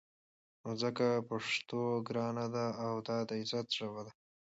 نو ځکه پښتو ګرانه ده او دا د عزت ژبه ده.